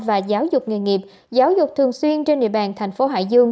và giáo dục nghề nghiệp giáo dục thường xuyên trên địa bàn tp hcm